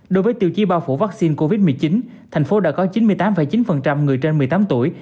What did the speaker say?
đối với tiêu chí bao phủ vaccine covid một mươi chín thành phố đã có chín mươi tám chín người trên một mươi tám tuổi